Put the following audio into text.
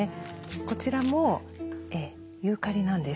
こちらもユーカリなんです。